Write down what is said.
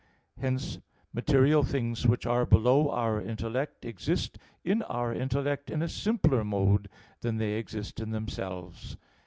Hence material things which are below our intellect exist in our intellect in a simpler mode than they exist in themselves.